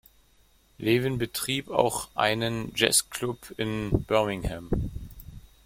Levin betrieb auch einen Jazzclub in Birmingham.